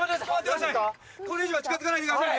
これ以上は近づかないでください。